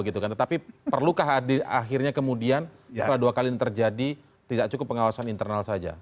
tetapi perlukah akhirnya kemudian setelah dua kali ini terjadi tidak cukup pengawasan internal saja